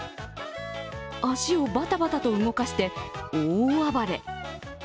足をバタバタと動かして大暴れ。